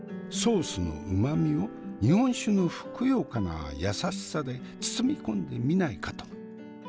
ソースの旨みを日本酒のふくよかな優しさで包み込んでみないかと。